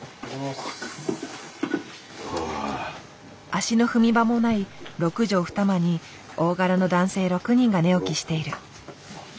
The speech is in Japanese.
足の踏み場もない６畳二間に大柄の男性６人が寝起きしている。